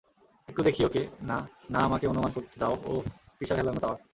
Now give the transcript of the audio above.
একটু দেখি ওকে না, না, আমাকে অনুমান করতে দাও উহ, পিসার হেলানো টাওয়ার।